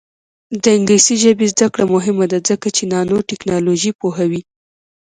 د انګلیسي ژبې زده کړه مهمه ده ځکه چې نانوټیکنالوژي پوهوي.